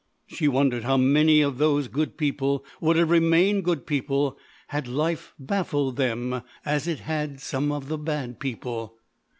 She wondered how many of those good people would have remained good people had life baffled them, as it had some of the bad people.